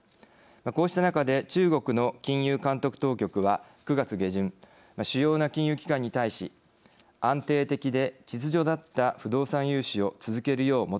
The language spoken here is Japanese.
こうした中で中国の金融監督当局は９月下旬主要な金融機関に対し安定的で秩序だった不動産融資を続けるよう求めました。